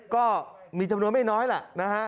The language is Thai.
ก็มีจำนวนไม่น้อยแหละนะฮะ